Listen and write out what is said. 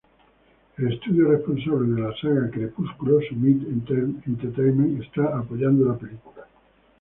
El estudio responsable de la saga Crepúsculo, Summit Entertainment, está apoyando la película.